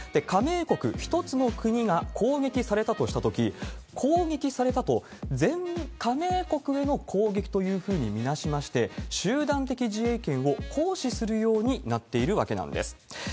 加盟国１つの国が攻撃されたとしたとき、攻撃されたと全加盟国への攻撃というふうに見なしまして、集団的自衛権を行使するようになっているわけなんです。